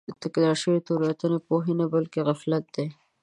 تکرار شوې تېروتنه پوهه نه بلکې غفلت دی.